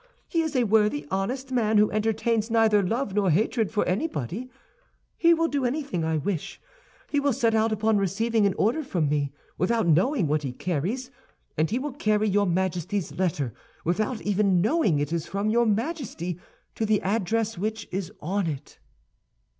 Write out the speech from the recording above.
He is a worthy, honest man who entertains neither love nor hatred for anybody. He will do anything I wish. He will set out upon receiving an order from me, without knowing what he carries, and he will carry your Majesty's letter, without even knowing it is from your Majesty, to the address which is on it."